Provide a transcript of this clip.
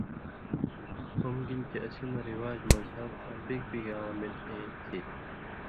ہُم گِن چے اسی مہ رِواج، مذہب آں بِگ بِگ عوامِل ایں تھی